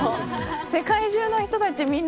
世界中の人たち